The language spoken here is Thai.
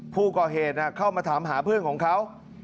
ผู้ก่อเหตุเข้ามาถามหาเพื่อนของเขา